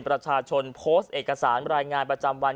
ประชาชนโพสต์เอกสารรายงานประจำวัน